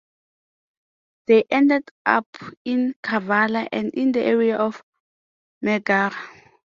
They ended up in Kavala and in the area of Megara.